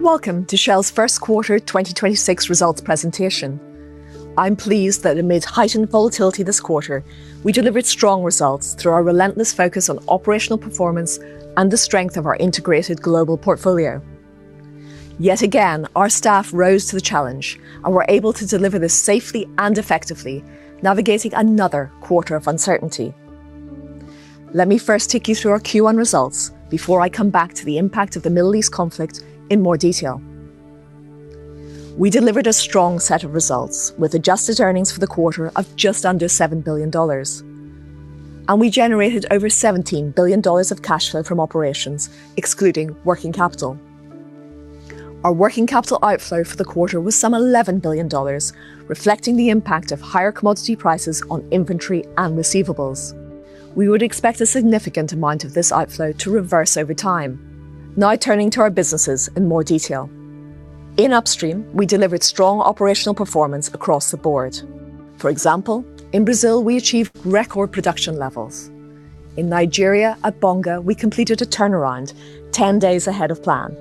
Welcome to Shell's First Quarter 2026 Results Presentation. I'm pleased that amid heightened volatility this quarter, we delivered strong results through our relentless focus on operational performance and the strength of our integrated global portfolio. Yet again, our staff rose to the challenge and were able to deliver this safely and effectively, navigating another quarter of uncertainty. Let me first take you through our Q1 results before I come back to the impact of the Middle East conflict in more detail. We delivered a strong set of results, with adjusted earnings for the quarter of just under $7 billion. We generated over $17 billion of cash flow from operations excluding working capital. Our working capital outflow for the quarter was some $11 billion, reflecting the impact of higher commodity prices on inventory and receivables. We would expect a significant amount of this outflow to reverse over time. Now turning to our businesses in more detail. In Upstream, we delivered strong operational performance across the board. For example, in Brazil, we achieved record production levels. In Nigeria at Bonga, we completed a turnaround 10 days ahead of plan.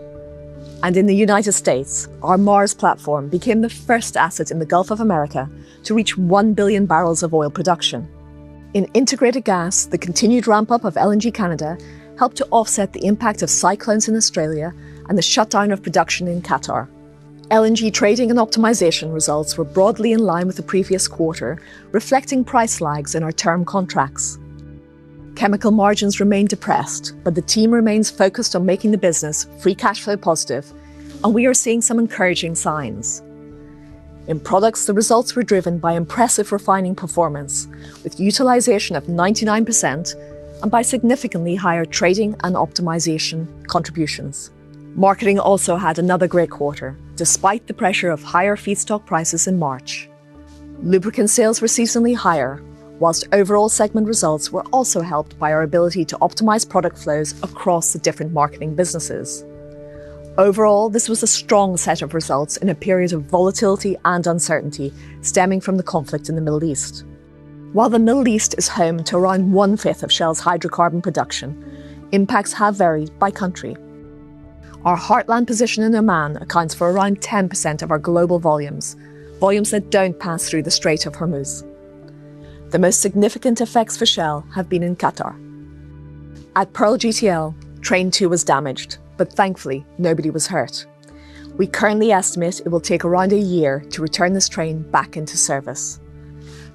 In the U.S., our Mars platform became the first asset in the Gulf of Mexico to reach 1 billion barrels of oil production. In Integrated Gas, the continued ramp-up of LNG Canada helped to offset the impact of cyclones in Australia and the shutdown of production in Qatar. LNG trading and optimization results were broadly in line with the previous quarter, reflecting price lags in our term contracts. Chemical margins remain depressed, but the team remains focused on making the business free cash flow positive, and we are seeing some encouraging signs. In Products, the results were driven by impressive refining performance, with utilization of 99%, and by significantly higher trading and optimization contributions. Marketing also had another great quarter, despite the pressure of higher feedstock prices in March. Lubricant sales were seasonally higher, whilst overall segment results were also helped by our ability to optimize product flows across the different marketing businesses. Overall, this was a strong set of results in a period of volatility and uncertainty stemming from the conflict in the Middle East. The Middle East is home to around 1/5 of Shell's hydrocarbon production, impacts have varied by country. Our heartland position in Oman accounts for around 10% of our global volumes that don't pass through the Strait of Hormuz. The most significant effects for Shell have been in Qatar. At Pearl GTL, Train 2 was damaged, but thankfully nobody was hurt. We currently estimate it will take around a year to return this train back into service.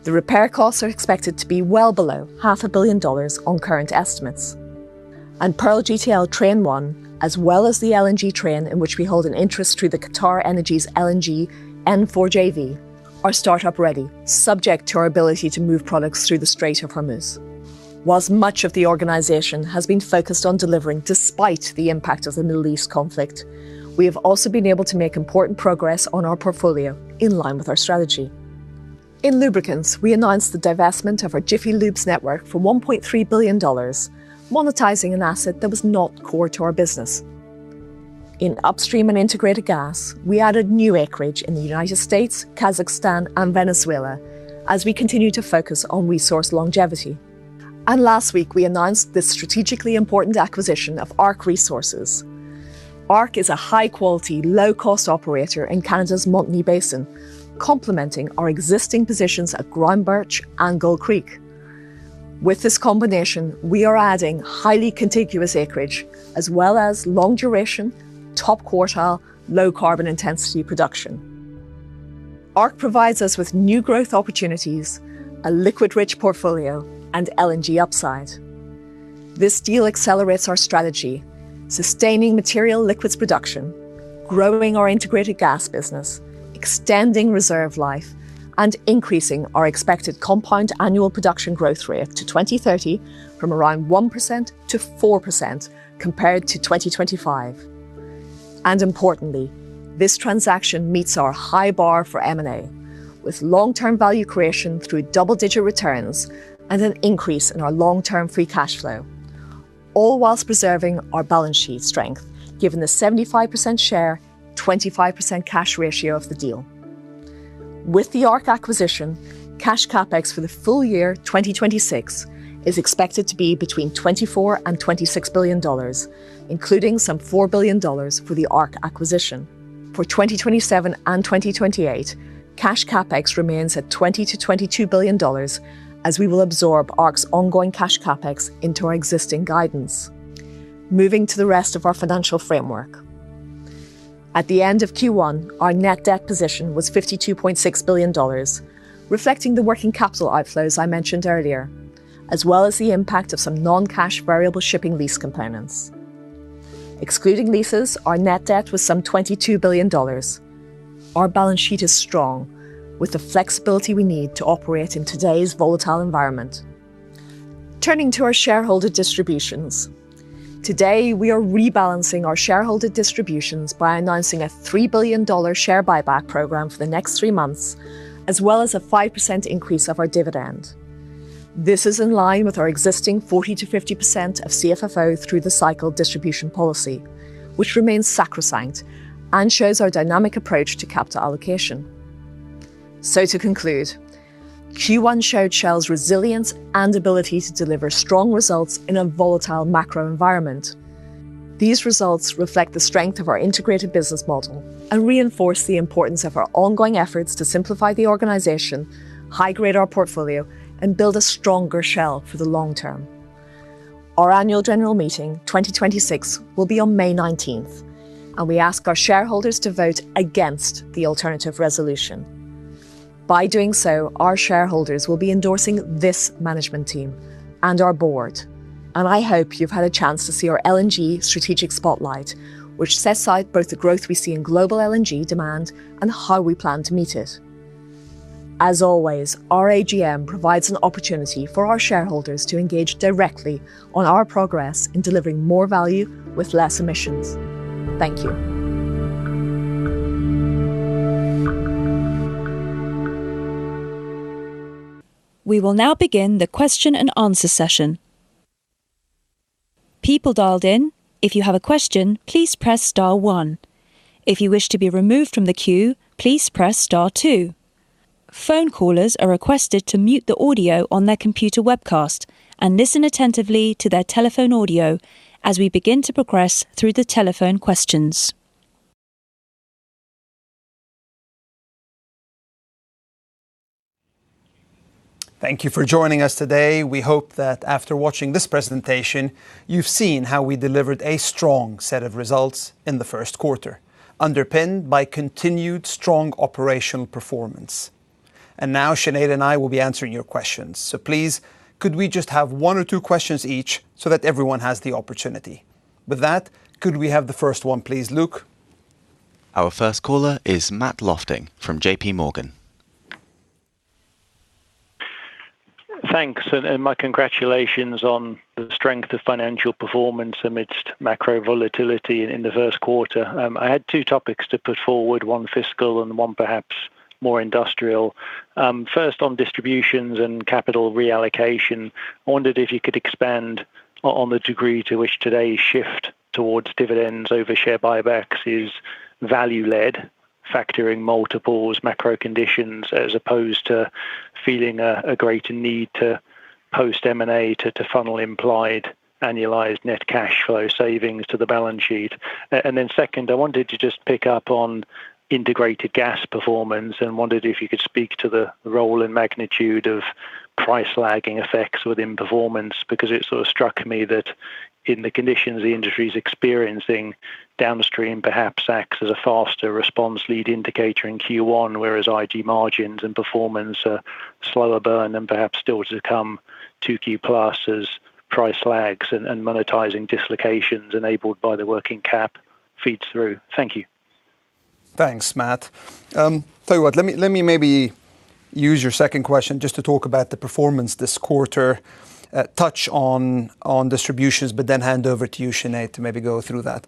The repair costs are expected to be well below 0.5 billion dollars on current estimates. Pearl GTL Train 1, as well as the LNG train in which we hold an interest through the QatarEnergy's LNG N4JV, are start-up ready, subject to our ability to move products through the Strait of Hormuz. Whilst much of the organization has been focused on delivering despite the impact of the Middle East conflict, we have also been able to make important progress on our portfolio in line with our strategy. In Lubricants, we announced the divestment of our Jiffy Lube's network for $1.3 billion, monetizing an asset that was not core to our business. In Upstream and Integrated Gas, we added new acreage in the United States, Kazakhstan, and Venezuela as we continue to focus on resource longevity. Last week, we announced the strategically important acquisition of ARC Resources. ARC is a high-quality, low-cost operator in Canada's Montney Basin, complementing our existing positions at Groundbirch and Gold Creek. With this combination, we are adding highly contiguous acreage as well as long-duration, top-quartile, low-carbon-intensity production. ARC provides us with new growth opportunities, a liquid-rich portfolio, and LNG upside. This deal accelerates our strategy, sustaining material liquids production, growing our Integrated Gas business, extending reserve life, and increasing our expected compound annual production growth rate to 2030 from around 1%-4% compared to 2025. Importantly, this transaction meets our high bar for M&A, with long-term value creation through double-digit returns and an increase in our long-term free cash flow, all while preserving our balance sheet strength, given the 75% share, 25% cash ratio of the deal. With the ARC acquisition, cash CapEx for the full year 2026 is expected to be between $24 billion and $26 billion, including some $4 billion for the ARC acquisition. For 2027 and 2028, cash CapEx remains at $20 billion-$22 billion, as we will absorb ARC's ongoing cash CapEx into our existing guidance. Moving to the rest of our financial framework. At the end of Q1, our net debt position was $52.6 billion, reflecting the working capital outflows I mentioned earlier, as well as the impact of some non-cash variable shipping lease components. Excluding leases, our net debt was some $22 billion. Our balance sheet is strong, with the flexibility we need to operate in today's volatile environment. Turning to our shareholder distributions. Today, we are rebalancing our shareholder distributions by announcing a $3 billion share buyback program for the next three months, as well as a 5% increase of our dividend. This is in line with our existing 40%-50% of CFFO through the cycle distribution policy, which remains sacrosanct and shows our dynamic approach to capital allocation. To conclude, Q1 showed Shell's resilience and ability to deliver strong results in a volatile macro environment. These results reflect the strength of our integrated business model and reinforce the importance of our ongoing efforts to simplify the organization, high-grade our portfolio, and build a stronger Shell for the long term. Our Annual General Meeting 2026 will be on May 19th. We ask our shareholders to vote against the alternative resolution. By doing so, our shareholders will be endorsing this management team and our board. I hope you've had a chance to see our LNG Strategic Spotlight, which sets out both the growth we see in global LNG demand and how we plan to meet it. As always, our AGM provides an opportunity for our shareholders to engage directly on our progress in delivering more value with less emissions. Thank you. We will now begin the question and answer session. People dialed in, if you have a question, please press star one. If you wish to be removed from the queue, please press star two. Phone callers are requested to mute the audio on their computer webcast and listen attentively to their telephone audio as we begin to progress through the telephone questions. Thank you for joining us today. We hope that after watching this presentation, you've seen how we delivered a strong set of results in the first quarter, underpinned by continued strong operational performance. Now Sinead and I will be answering your questions. Please could we just have one or two questions each so that everyone has the opportunity. With that, could we have the first one, please, Luke? Our first caller is Matthew Lofting from JPMorgan. Thanks, and my congratulations on the strength of financial performance amidst macro volatility in the first quarter. I had two topics to put forward, one fiscal and one perhaps more industrial. First on distributions and capital reallocation, I wondered if you could expand on the degree to which today's shift towards dividends over share buybacks is value-led, factoring multiples, macro conditions, as opposed to feeling a greater need to post M&A to funnel implied annualized net cash flow savings to the balance sheet. Then second, I wanted to just pick up on Integrated Gas performance and wondered if you could speak to the role and magnitude of price lagging effects within performance, because it sort of struck me that in the conditions the industry is experiencing, downstream perhaps acts as a faster response lead indicator in Q1, whereas IG margins and performance are slower burn and perhaps still to come 2Q+ as price lags and monetizing dislocations enabled by the working Cap feeds through. Thank you. Thanks, Matt. Tell you what, let me maybe use your second question just to talk about the performance this quarter, touch on distributions, but then hand over to you, Sinead, to maybe go through that.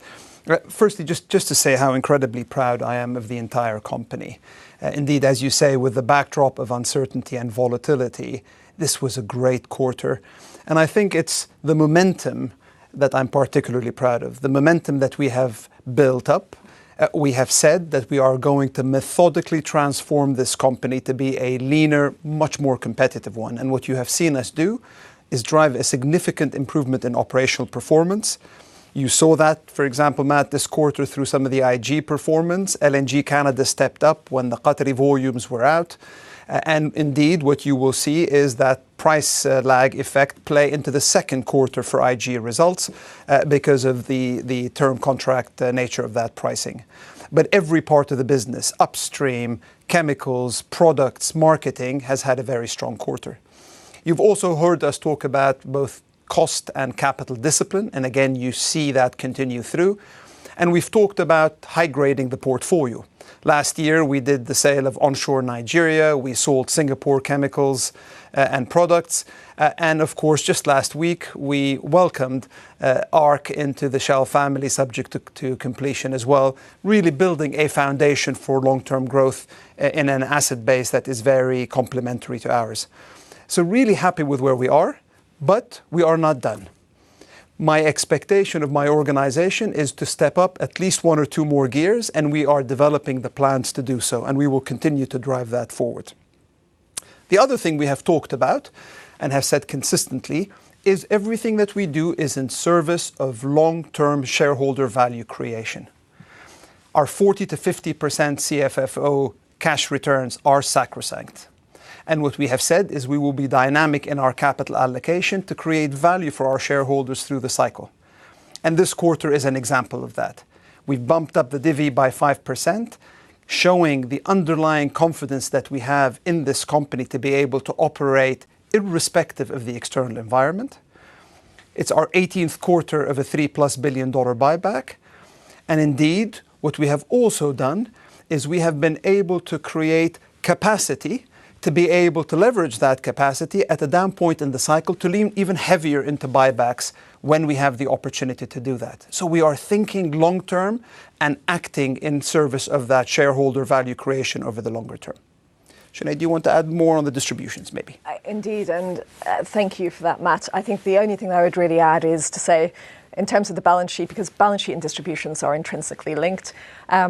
Firstly, just to say how incredibly proud I am of the entire company. Indeed, as you say, with the backdrop of uncertainty and volatility, this was a great quarter. I think it's the momentum that I'm particularly proud of, the momentum that we have built up. We have said that we are going to methodically transform this company to be a leaner, much more competitive one. What you have seen us do is drive a significant improvement in operational performance. You saw that, for example, Matthew Lofting, this quarter through some of the IG performance. LNG Canada stepped up when the Qatari volumes were out. Indeed, what you will see is that price lag effect play into the second quarter for IG results because of the term contract nature of that pricing. Every part of the business, upstream, chemicals, products, marketing, has had a very strong quarter. You've also heard us talk about both cost and capital discipline, and again, you see that continue through. We've talked about high-grading the portfolio. Last year, we did the sale of onshore Nigeria. We sold Singapore Chemicals and Products. Of course, just last week, we welcomed ARC into the Shell family subject to completion as well, really building a foundation for long-term growth in an asset base that is very complementary to ours. Really happy with where we are, but we are not done. My expectation of my organization is to step up at least one or two more gears, and we are developing the plans to do so, and we will continue to drive that forward. The other thing we have talked about and have said consistently is everything that we do is in service of long-term shareholder value creation. Our 40%-50% CFFO cash returns are sacrosanct. What we have said is we will be dynamic in our capital allocation to create value for our shareholders through the cycle. This quarter is an example of that. We've bumped up the divvy by 5%, showing the underlying confidence that we have in this company to be able to operate irrespective of the external environment. It's our 18th quarter of a $3+ billion buyback. Indeed, what we have also done is we have been able to create capacity to be able to leverage that capacity at a down point in the cycle to lean even heavier into buybacks when we have the opportunity to do that. We are thinking long term and acting in service of that shareholder value creation over the longer term. Sinead, do you want to add more on the distributions maybe? I, indeed, and thank you for that, Matt. I think the only thing that I would really add is to say in terms of the balance sheet, because balance sheet and distributions are intrinsically linked,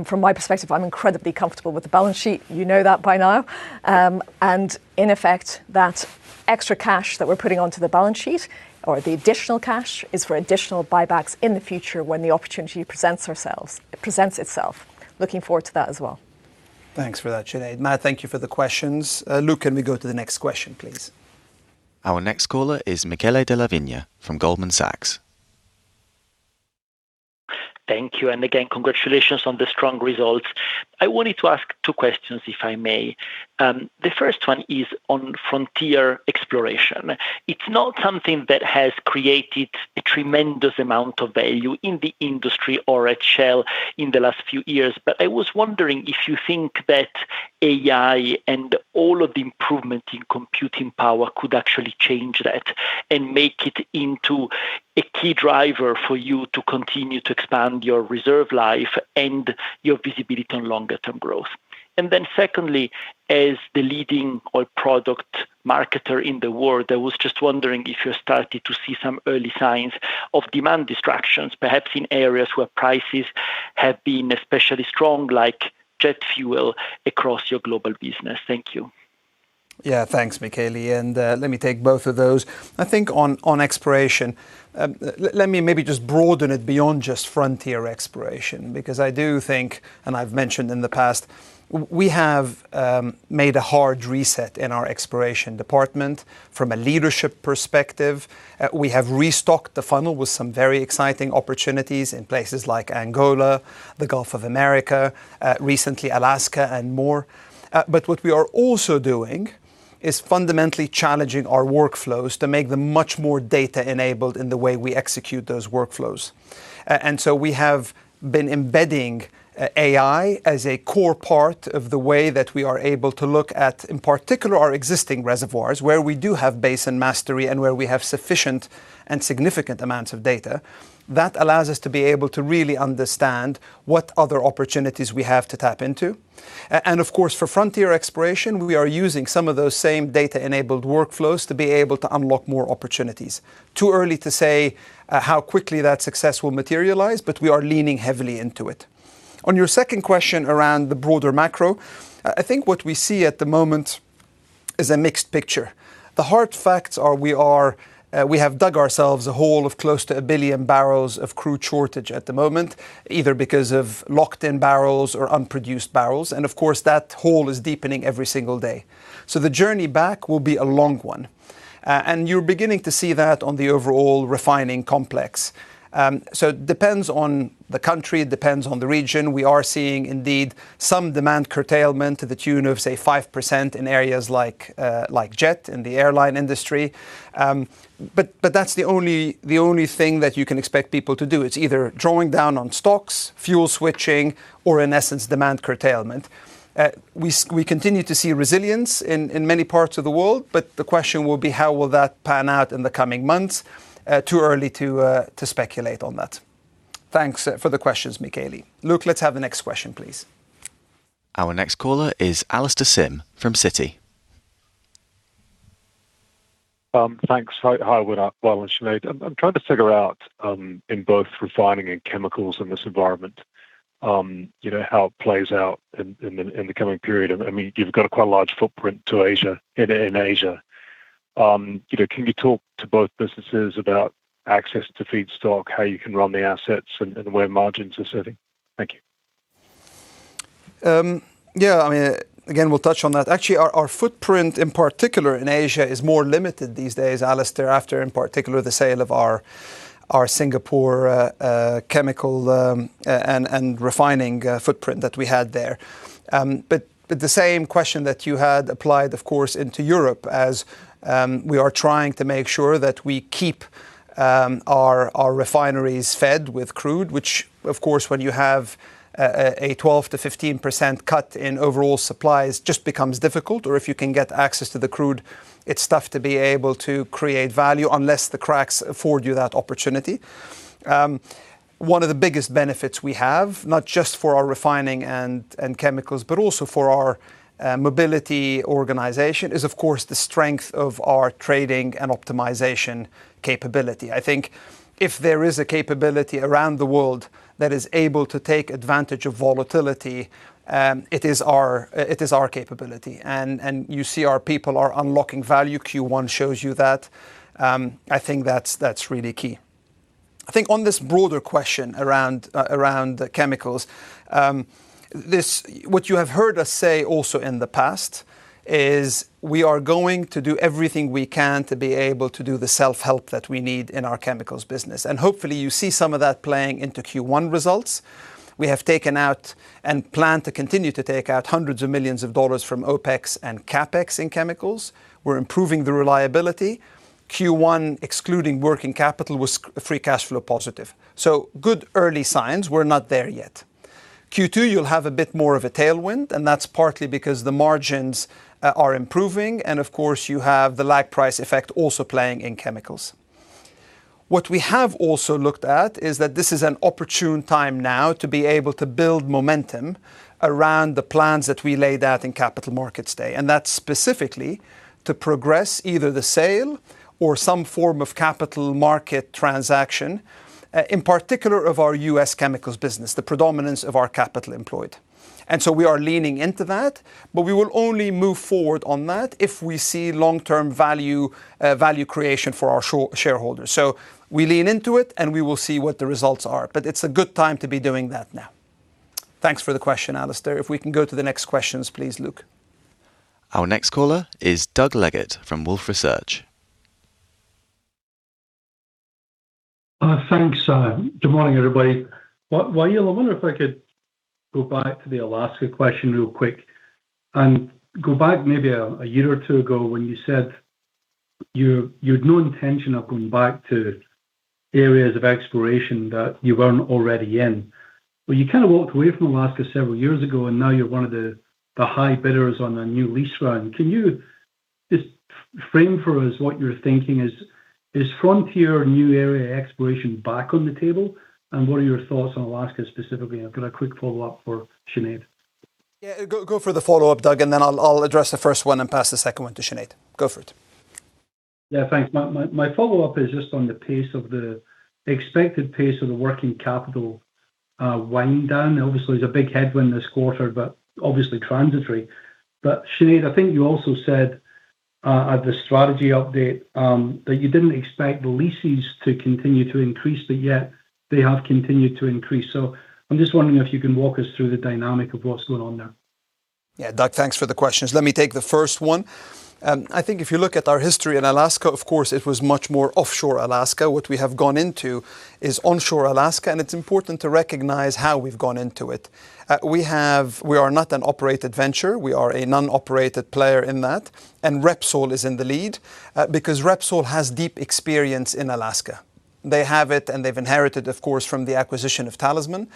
from my perspective, I'm incredibly comfortable with the balance sheet. You know that by now. In effect, that extra cash that we're putting onto the balance sheet or the additional cash is for additional buybacks in the future when the opportunity presents itself. Looking forward to that as well. Thanks for that, Sinead. Matt, thank you for the questions. Luke, can we go to the next question, please? Our next caller is Michele Della Vigna from Goldman Sachs. Thank you, and again, congratulations on the strong results. I wanted to ask two questions, if I may. The first one is on frontier exploration. It's not something that has created a tremendous amount of value in the industry or at Shell in the last few years. I was wondering if you think that AI and all of the improvement in computing power could actually change that and make it into a key driver for you to continue to expand your reserve life and your visibility on longer term growth. Secondly, as the leading oil product marketer in the world, I was just wondering if you're starting to see some early signs of demand distractions, perhaps in areas where prices have been especially strong, like jet fuel across your global business. Thank you. Yeah. Thanks, Michele, let me take both of those. I think on exploration, let me maybe just broaden it beyond just frontier exploration because I do think, and I've mentioned in the past, we have made a hard reset in our exploration department from a leadership perspective. We have restocked the funnel with some very exciting opportunities in places like Angola, the Gulf of America, recently Alaska and more. What we are also doing is fundamentally challenging our workflows to make them much more data enabled in the way we execute those workflows. We have been embedding AI as a core part of the way that we are able to look at, in particular, our existing reservoirs, where we do have basin mastery and where we have sufficient and significant amounts of data. That allows us to be able to really understand what other opportunities we have to tap into. Of course, for frontier exploration, we are using some of those same data enabled workflows to be able to unlock more opportunities. Too early to say how quickly that success will materialize, but we are leaning heavily into it. On your second question around the broader macro, I think what we see at the moment is a mixed picture. The hard facts are we are, we have dug ourselves a hole of close to 1 billion barrels of crude shortage at the moment, either because of locked in barrels or unproduced barrels, and of course, that hole is deepening every single day. The journey back will be a long one. And you're beginning to see that on the overall refining complex. Depends on the country, depends on the region. We are seeing indeed some demand curtailment to the tune of, say, 5% in areas like jet in the airline industry. But that's the only thing that you can expect people to do, is either drawing down on stocks, fuel switching, or in essence, demand curtailment. We continue to see resilience in many parts of the world, but the question will be how will that pan out in the coming months? Too early to speculate on that. Thanks for the questions, Michele. Luke, let's have the next question, please. Our next caller is Alastair Syme from Citi. Thanks. Hi, hi Wael and Sinead. I'm trying to figure out in both refining and chemicals in this environment, you know, how it plays out in the coming period. I mean, you've got quite a large footprint to Asia, in Asia. You know, can you talk to both businesses about access to feedstock, how you can run the assets and where margins are sitting? Thank you. Yeah, I mean, again, we'll touch on that. Actually, our footprint in particular in Asia is more limited these days, Alastair, after, in particular, the sale of our Singapore chemical and refining footprint that we had there. The same question that you had applied, of course, into Europe as we are trying to make sure that we keep our refineries fed with crude, which of course, when you have a 12%-15% cut in overall supplies just becomes difficult. If you can get access to the crude, it's tough to be able to create value unless the cracks afford you that opportunity. One of the biggest benefits we have, not just for our refining and chemicals, but also for our mobility organization, is of course the strength of our trading and optimization capability. I think if there is a capability around the world that is able to take advantage of volatility, it is our capability. You see our people are unlocking value. Q1 shows you that. I think that's really key. I think on this broader question around chemicals. What you have heard us say also in the past is we are going to do everything we can to be able to do the self-help that we need in our chemicals business. Hopefully you see some of that playing into Q1 results. We have taken out and plan to continue to take out hundreds of millions of dollars from OpEx and CapEx in chemicals. We're improving the reliability. Q1, excluding working capital, was free cash flow positive. Good early signs. We're not there yet. Q2, you'll have a bit more of a tailwind, and that's partly because the margins are improving, and of course, you have the lag price effect also playing in chemicals. What we have also looked at is that this is an opportune time now to be able to build momentum around the plans that we laid out in Capital Markets Day, and that's specifically to progress either the sale or some form of capital market transaction in particular of our U.S. chemicals business, the predominance of our capital employed. We are leaning into that, but we will only move forward on that if we see long-term value creation for our shareholders. We lean into it, and we will see what the results are. It's a good time to be doing that now. Thanks for the question, Alastair. If we can go to the next questions, please, Luke. Our next caller is Doug Leggate from Wolfe Research. Thanks. Good morning, everybody. Wael, I wonder if I could go back to the Alaska question real quick, and go back maybe a year or two ago when you said you had no intention of going back to areas of exploration that you weren't already in. Well, you kind of walked away from Alaska several years ago, and now you're one of the high bidders on a new lease round. Can you just frame for us what your thinking is? Is frontier new area exploration back on the table, and what are your thoughts on Alaska specifically? I've got a quick follow-up for Sinead. Yeah, go for the follow-up, Doug, and then I'll address the first one and pass the second one to Sinead. Go for it. Yeah. Thanks. My follow-up is just on the pace of the expected pace of the working capital wind down. Obviously, it's a big headwind this quarter, but obviously transitory. Sinead, I think you also said at the strategy update that you didn't expect the leases to continue to increase, but yet they have continued to increase. I'm just wondering if you can walk us through the dynamic of what's going on there. Yeah, Doug, thanks for the questions. Let me take the first one. I think if you look at our history in Alaska, of course, it was much more offshore Alaska. What we have gone into is onshore Alaska, and it's important to recognize how we've gone into it. We are not an operated venture. We are a non-operated player in that, and Repsol is in the lead because Repsol has deep experience in Alaska. They have it, and they've inherited, of course, from the acquisition of Talisman.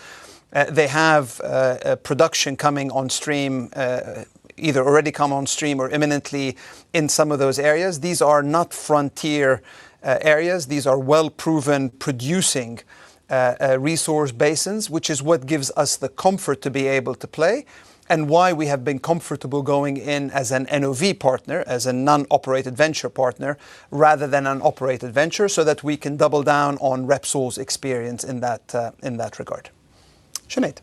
They have production coming on stream, either already come on stream or imminently in some of those areas. These are not frontier areas. These are well-proven producing resource basins, which is what gives us the comfort to be able to play and why we have been comfortable going in as an NOV partner, as a non-operated venture partner, rather than an operated venture, so that we can double down on Repsol's experience in that in that regard. Sinead?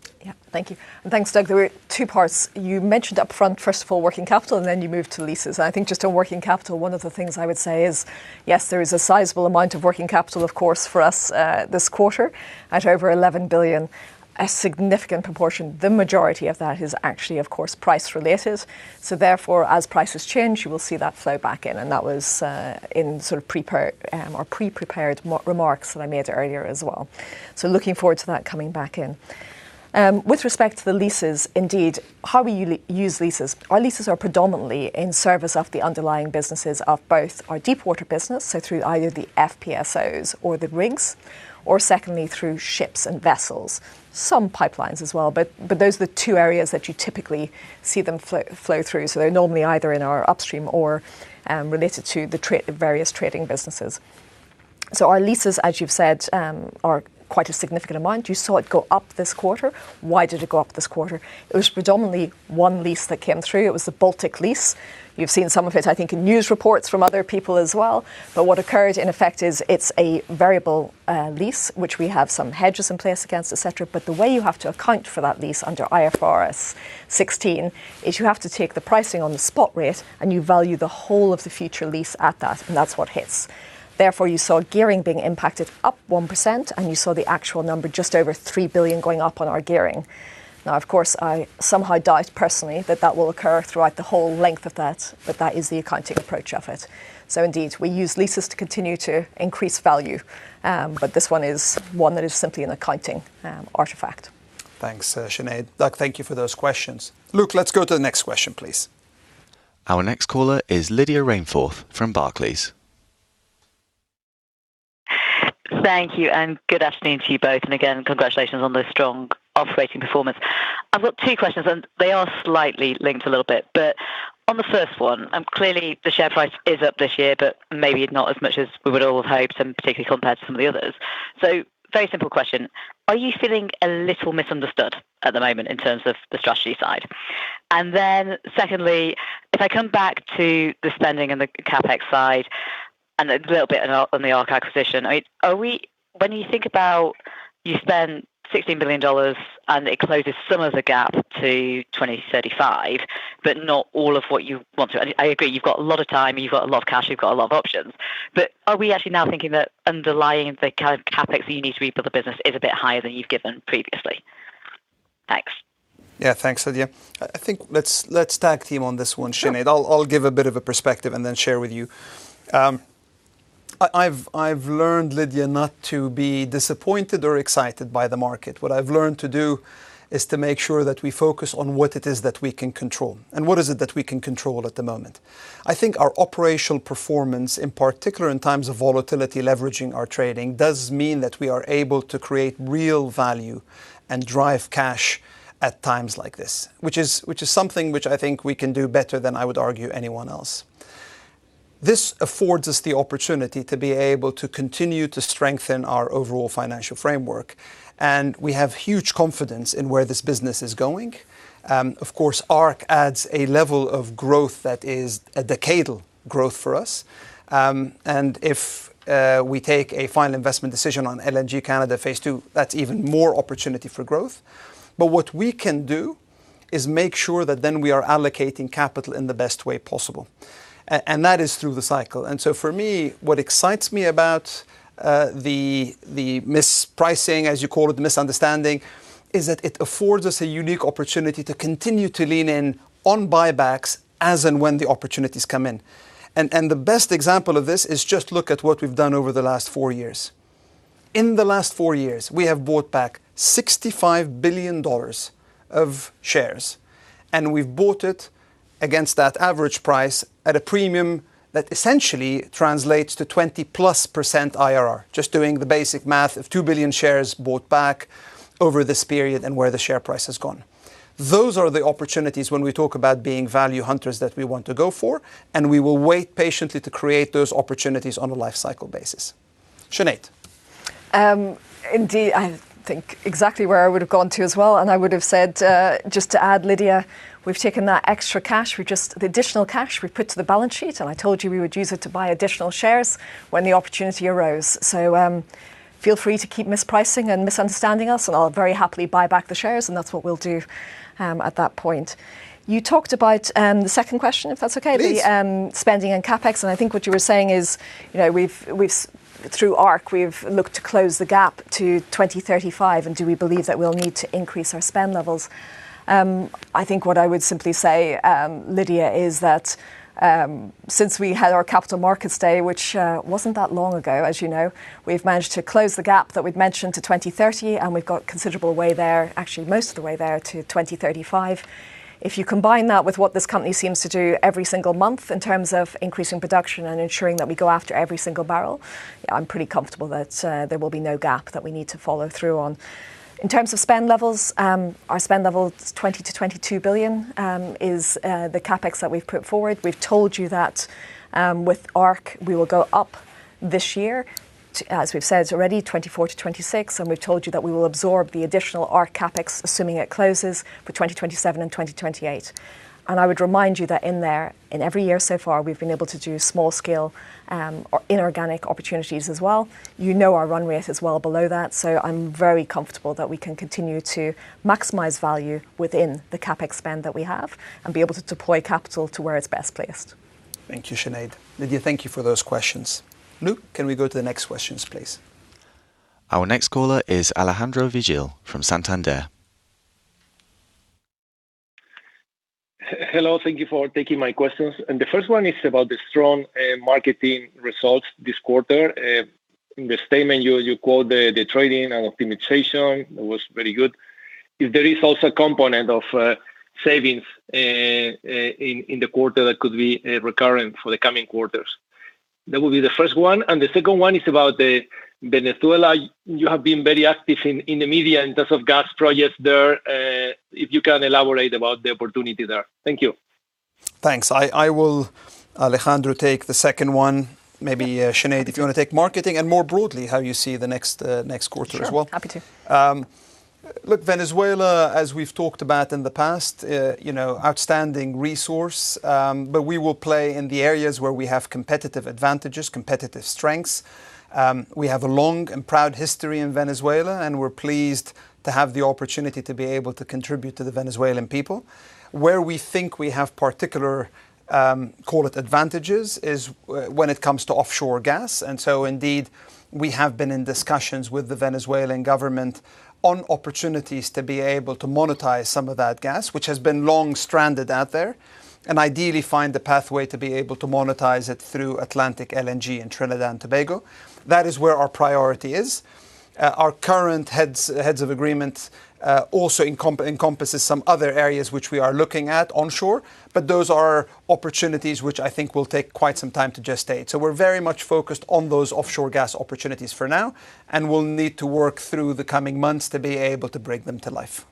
Thank you. Thanks, Doug. There were two parts. You mentioned up front, first of all, working capital, and then you moved to leases. I think just on working capital, one of the things I would say is, yes, there is a sizable amount of working capital, of course, for us, this quarter at over $11 billion. A significant proportion, the majority of that is actually, of course, price related. Therefore, as prices change, you will see that flow back in, and that was in sort of pre-prepared remarks that I made earlier as well. Looking forward to that coming back in. With respect to the leases, indeed, how we use leases. Our leases are predominantly in service of the underlying businesses of both our deepwater business, so through either the FPSOs or the rigs, or secondly, through ships and vessels. Some pipelines as well, but those are the two areas that you typically see them flow through. They're normally either in our upstream or related to the various trading businesses. Our leases, as you've said, are quite a significant amount. You saw it go up this quarter. Why did it go up this quarter? It was predominantly one lease that came through. It was the Baltic lease. You've seen some of it, I think, in news reports from other people as well. What occurred, in effect, is it's a variable lease, which we have some hedges in place against, et cetera. The way you have to account for that lease under IFRS 16 is you have to take the pricing on the spot rate, and you value the whole of the future lease at that, and that's what hits. Therefore, you saw gearing being impacted up 1%, and you saw the actual number just over $3 billion going up on our gearing. Now, of course, I somehow doubt personally that that will occur throughout the whole length of that, but that is the accounting approach of it. Indeed, we use leases to continue to increase value. But this one is one that is simply an accounting artifact. Thanks, Sinead. Doug, thank you for those questions. Luke, let's go to the next question, please. Our next caller is Lydia Rainforth from Barclays. Thank you, and good afternoon to you both. Again, congratulations on the strong operating performance. I've got two questions. They are slightly linked a little bit. On the first one, clearly the share price is up this year, but maybe not as much as we would all have hoped and particularly compared to some of the others. Very simple question. Are you feeling a little misunderstood at the moment in terms of the strategy side? Secondly, if I come back to the spending and the CapEx side and a little bit on the ARC acquisition, I mean, when you think about you spend $16 billion and it closes some of the gap to 2035, but not all of what you want to? I agree, you've got a lot of time and you've got a lot of cash, you've got a lot of options. Are we actually now thinking that underlying the kind of CapEx that you need to rebuild the business is a bit higher than you've given previously? Thanks. Yeah. Thanks, Lydia. I think let's tag team on this one, Sinead. I'll give a bit of a perspective and then share with you. I've learned, Lydia, not to be disappointed or excited by the market. What I've learned to do is to make sure that we focus on what it is that we can control, and what is it that we can control at the moment. I think our operational performance, in particular in times of volatility, leveraging our trading, does mean that we are able to create real value and drive cash at times like this, which is something which I think we can do better than, I would argue, anyone else. This affords us the opportunity to be able to continue to strengthen our overall financial framework. We have huge confidence in where this business is going. Of course, ARC adds a level of growth that is a decadal growth for us. If we take a final investment decision on LNG Canada Phase 2, that's even more opportunity for growth. What we can do is make sure that then we are allocating capital in the best way possible. That is through the cycle. For me, what excites me about the mispricing, as you call it, the misunderstanding, is that it affords us a unique opportunity to continue to lean in on buybacks as and when the opportunities come in. The best example of this is just look at what we've done over the last four years. In the last four years, we have bought back $65 billion of shares, and we've bought it against that average price at a premium that essentially translates to 20%+ IRR. Just doing the basic math of 2 billion shares bought back over this period and where the share price has gone. Those are the opportunities when we talk about being value hunters that we want to go for, and we will wait patiently to create those opportunities on a life cycle basis. Sinead. Indeed, I think exactly where I would have gone to as well, I would have said, just to add, Lydia, we've taken that extra cash, The additional cash we put to the balance sheet, I told you we would use it to buy additional shares when the opportunity arose. Feel free to keep mispricing and misunderstanding us, I'll very happily buy back the shares, That's what we'll do at that point. You talked about the second question, if that's okay. Please. The spending and CapEx, and I think what you were saying is, we've, through ARC, we've looked to close the gap to 2035, and do we believe that we'll need to increase our spend levels? I think what I would simply say, Lydia, is that since we had our Capital Markets Day, which wasn't that long ago, we've managed to close the gap that we'd mentioned to 2030, and we've got considerable way there, actually most of the way there to 2035. If you combine that with what this company seems to do every single month in terms of increasing production and ensuring that we go after every single barrel, I'm pretty comfortable that there will be no gap that we need to follow through on. In terms of spend levels, our spend level is $20 billion-$22 billion, is the CapEx that we've put forward. We've told you that with ARC, we will go up this year to, as we've said already, 2024-2026, and we've told you that we will absorb the additional ARC CapEx, assuming it closes, for 2027 and 2028. I would remind you that in there, in every year so far, we've been able to do small scale, inorganic opportunities as well. You know our runway is well below that, so I'm very comfortable that we can continue to maximize value within the CapEx spend that we have and be able to deploy capital to where it's best placed. Thank you, Sinead. Lydia, thank you for those questions. Lou, can we go to the next questions, please? Our next caller is Alejandro Vigil from Santander. Hello, thank you for taking my questions. The first one is about the strong marketing results this quarter. In the statement, you quote the trading and optimization was very good. If there is also a component of savings in the quarter that could be recurring for the coming quarters. That will be the first one. The second one is about Venezuela. You have been very active in the media in terms of gas projects there. If you can elaborate about the opportunity there. Thank you. Thanks. I will, Alejandro, take the second one. Maybe, Sinead, if you want to take marketing and more broadly how you see the next quarter as well. Sure, happy to. Look, Venezuela, as we've talked about in the past, you know, outstanding resource. We will play in the areas where we have competitive advantages, competitive strengths. We have a long and proud history in Venezuela, and we're pleased to have the opportunity to be able to contribute to the Venezuelan people. Where we think we have particular, call it advantages, is when it comes to offshore gas. Indeed, we have been in discussions with the Venezuelan government on opportunities to be able to monetize some of that gas, which has been long stranded out there, and ideally find the pathway to be able to monetize it through Atlantic LNG in Trinidad and Tobago. That is where our priority is. Our current heads of agreement also encompasses some other areas which we are looking at onshore, but those are opportunities which I think will take quite some time to gestate. We're very much focused on those offshore gas opportunities for now, and we'll need to work through the coming months to be able to bring them to life.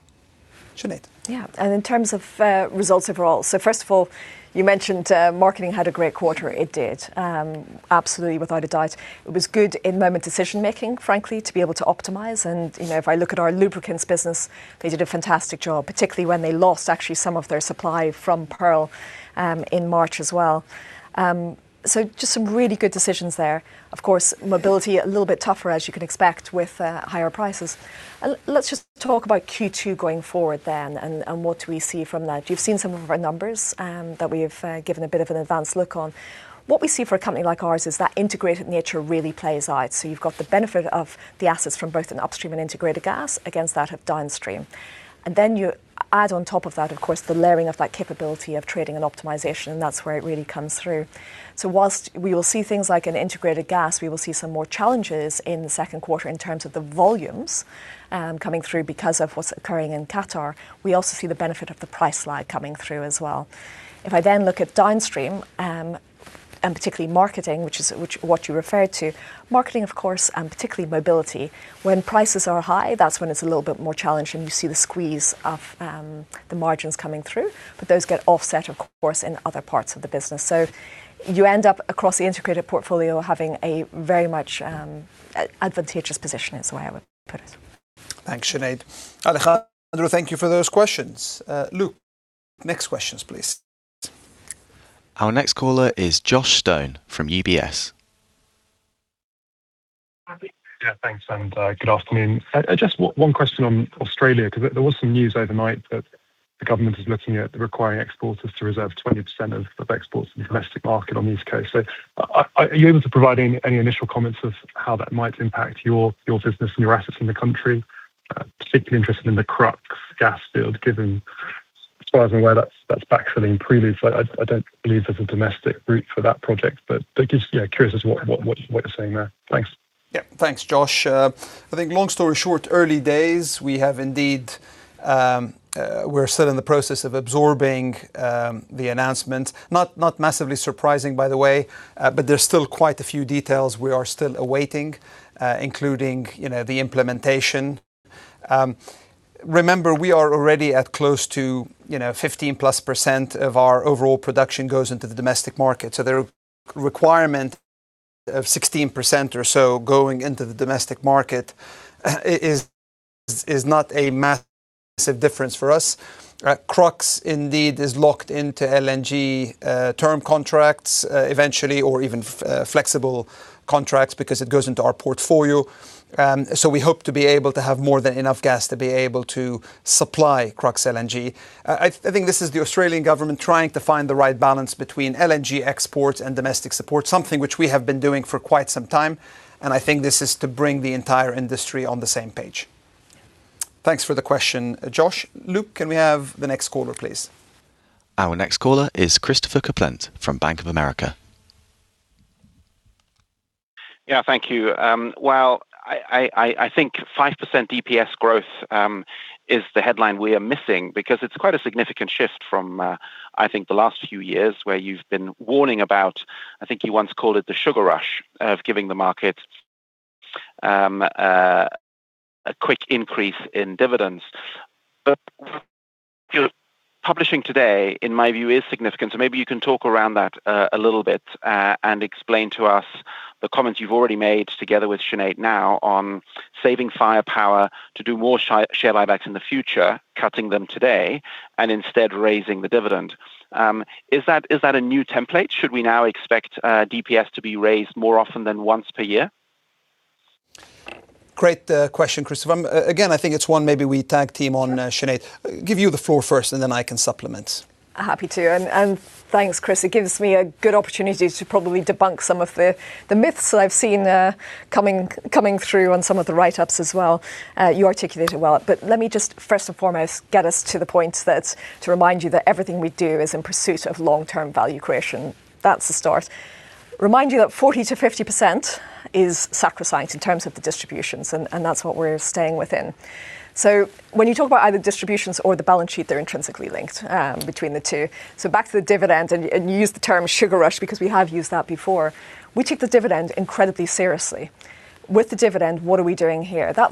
Sinead. Yeah. In terms of results overall. First of all, you mentioned marketing had a great quarter. It did, absolutely, without a doubt. It was good in-moment decision-making, frankly, to be able to optimize. You know, if I look at our lubricants business, they did a fantastic job, particularly when they lost actually some of their supply from Pearl in March as well. Just some really good decisions there. Of course, mobility, a little bit tougher as you can expect with higher prices. Let's just talk about Q2 going forward then and what we see from that. You've seen some of our numbers that we've given a bit of an advanced look on. What we see for a company like ours is that integrated nature really plays out. You've got the benefit of the assets from both an Upstream and Integrated Gas against that of Downstream. You add on top of that, of course, the layering of that capability of trading and optimization, and that's where it really comes through. Whilst we will see things like an Integrated Gas, we will see some more challenges in the second quarter in terms of the volumes coming through because of what's occurring in Qatar. We also see the benefit of the price slide coming through as well. If I then look at Downstream, and particularly Marketing, which is what you referred to, Marketing, of course, and particularly Mobility, when prices are high, that's when it's a little bit more challenging. You see the squeeze of the margins coming through. Those get offset, of course, in other parts of the business. You end up across the integrated portfolio having a very much advantageous position is the way I would put it. Thanks, Sinead. Alejandro, thank you for those questions. Luke, next questions, please. Our next caller is Joshua Stone from UBS. Yeah, thanks and good afternoon. Just one question on Australia, because there was some news overnight that the government is looking at requiring exporters to reserve 20% of exports in the domestic market on the East Coast. Are you able to provide any initial comments of how that might impact your business and your assets in the country? Particularly interested in the Crux gas field given, as far as I'm aware, that's backfilling Prelude, I don't believe there's a domestic route for that project. Just, yeah, curious as what you're seeing there. Thanks. Thanks, Josh. I think long story short, early days. We have indeed, we're still in the process of absorbing the announcement. Not massively surprising, by the way, there's still quite a few details we are still awaiting, including, you know, the implementation. Remember, we are already at close to, you know, 15%+ of our overall production goes into the domestic market. The requirement of 16% or so going into the domestic market, is not a massive difference for us. Crux indeed is locked into LNG term contracts, eventually or even flexible contracts because it goes into our portfolio. We hope to be able to have more than enough gas to be able to supply Crux LNG. I think this is the Australian government trying to find the right balance between LNG exports and domestic support, something which we have been doing for quite some time, and I think this is to bring the entire industry on the same page. Thanks for the question, Josh. Luke, can we have the next caller, please? Our next caller is Christopher Kuplent from Bank of America. Yeah. Thank you. Well, I think 5% DPS growth is the headline we are missing because it's quite a significant shift from, I think the last few years where you've been warning about, I think you once called it the sugar rush of giving the market a quick increase in dividends. Your publishing today, in my view, is significant, so maybe you can talk around that a little bit and explain to us the comments you've already made together with Sinead now on saving firepower to do more share buybacks in the future, cutting them today, and instead raising the dividend. Is that a new template? Should we now expect DPS to be raised more often than once per year? Great question, Christopher. Again, I think it's one maybe we tag team on, Sinead. Give you the floor first, and then I can supplement. Happy to. Thanks, Chris. It gives me a good opportunity to probably debunk some of the myths that I've seen coming through on some of the write-ups as well. You articulated it well. Let me just first and foremost get us to the point that's to remind you that everything we do is in pursuit of long-term value creation. That's the start. Remind you that 40%-50% is sacrosanct in terms of the distributions, and that's what we're staying within. When you talk about either distributions or the balance sheet, they're intrinsically linked between the two. Back to the dividend, and you used the term sugar rush because we have used that before. We take the dividend incredibly seriously. With the dividend, what are we doing here? That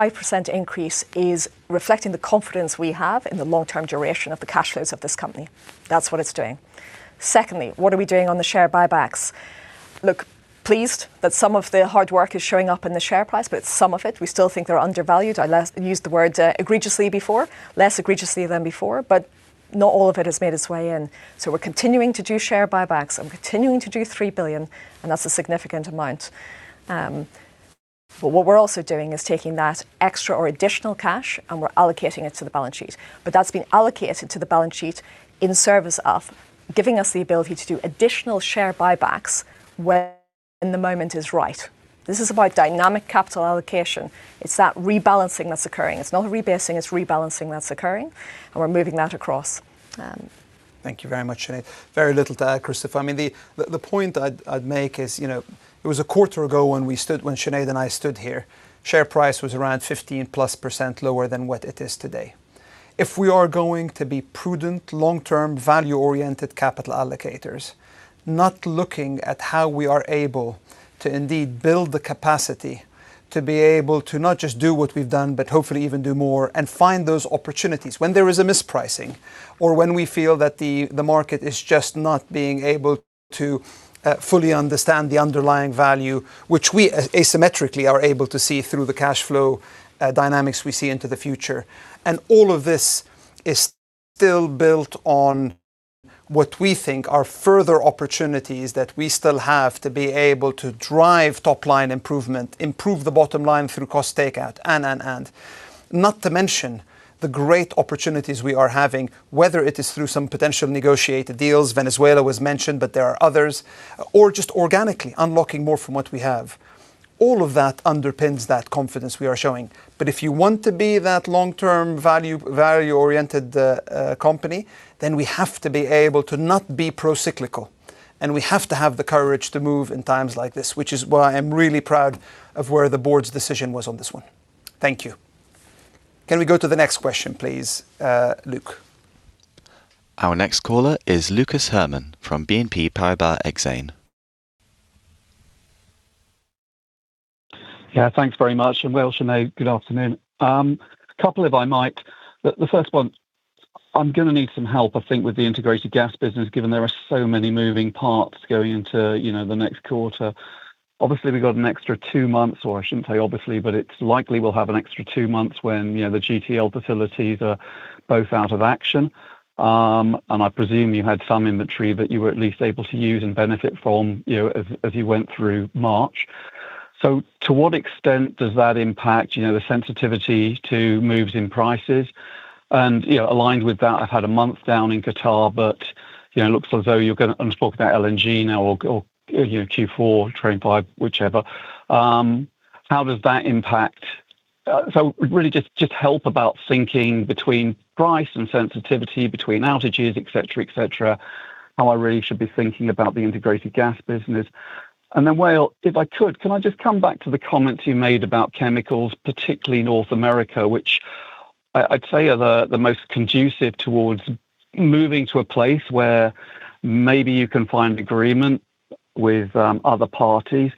5% increase is reflecting the confidence we have in the long-term duration of the cash flows of this company. That's what it's doing. Secondly, what are we doing on the share buybacks? Look, pleased that some of the hard work is showing up in the share price, but some of it, we still think they're undervalued. I last used the word, egregiously before. Less egregiously than before, but not all of it has made its way in. We're continuing to do share buybacks and continuing to do $3 billion, and that's a significant amount. What we're also doing is taking that extra or additional cash, and we're allocating it to the balance sheet. That's been allocated to the balance sheet in service of giving us the ability to do additional share buybacks when the moment is right. This is about dynamic capital allocation. It's that rebalancing that's occurring. It's not rebasing, it's rebalancing that's occurring. We're moving that across. Thank you very much, Sinead. Very little to add, Christopher. I mean, the point I'd make is, you know, it was a quarter ago when Sinead and I stood here. Share price was around 15%+ lower than what it is today. If we are going to be prudent, long-term, value-oriented capital allocators, not looking at how we are able to indeed build the capacity to be able to not just do what we've done, but hopefully even do more and find those opportunities when there is a mispricing or when we feel that the market is just not being able to fully understand the underlying value, which we asymmetrically are able to see through the cash flow dynamics we see into the future. All of this is still built on what we think are further opportunities that we still have to be able to drive top-line improvement, improve the bottom line through cost takeout. Not to mention the great opportunities we are having, whether it is through some potential negotiated deals, Venezuela was mentioned, but there are others, or just organically unlocking more from what we have. All of that underpins that confidence we are showing. If you want to be that long-term value-oriented company, then we have to be able to not be pro-cyclical, and we have to have the courage to move in times like this, which is why I'm really proud of where the board's decision was on this one. Thank you. Can we go to the next question, please, Luke? Our next caller is Lucas Herrmann from BNP Paribas Exane. Yeah. Thanks very much. Well, Sinead, good afternoon. A couple if I might. The first one, I'm gonna need some help, I think, with the Integrated Gas business, given there are so many moving parts going into, you know, the next quarter. Obviously, we've got an extra two months, or I shouldn't say obviously, but it's likely we'll have an extra two months when, you know, the GTL facilities are both out of action. I presume you had some inventory that you were at least able to use and benefit from, you know, as you went through March. To what extent does that impact, you know, the sensitivity to moves in prices? You know, aligned with that, I've had a month down in Qatar, but, you know, it looks as though you're gonna on-stream that LNG now or, you know, Q4 2025, whichever. How does that impact? Really just help about thinking between price and sensitivity between outages, et cetera, et cetera, how I really should be thinking about the Integrated Gas business. Then, Wael, if I could, can I just come back to the comments you made about chemicals, particularly North America, which I'd say are the most conducive towards moving to a place where maybe you can find agreement with other parties.